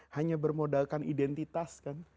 hanya bermodalkan identitas kan